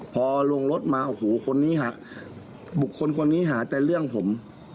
พอลงรถมาโอ้โหคนนี้หาบุคคลคนนี้หาแต่เรื่องผม